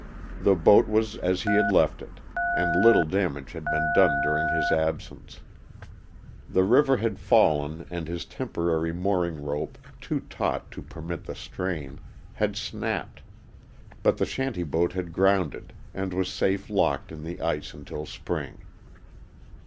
The boat was as he had left it, and little damage had been done during his absence. The river had fallen and his temporary mooring rope too taut to permit the strain had snapped, but the shanty boat had grounded and was safe locked in the ice until spring.